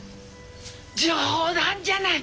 冗談じゃない！